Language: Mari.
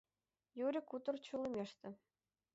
— Юрик утыр чулымеште.